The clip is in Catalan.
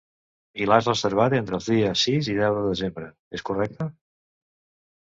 I l'has reservat entre els dies sis i deu de desembre, és correcte?